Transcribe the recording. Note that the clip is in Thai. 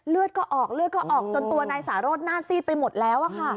เลือดก็ออกจนตัวนายสารส์หน้าซีดไปหมดแล้วค่ะ